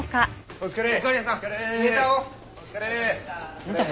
お疲れ。